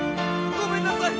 ごめんなさい！